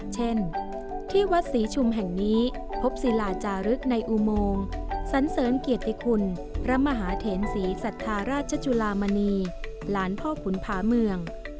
เช่นที่วัดศรีชุมแห่งนี้พบศิลาจารึกในอุโมงสันเสริญเกียรติคุณพระมหาเถนศรีสัทธาราชจุลามณีหลานพ่อขุนผาเมือง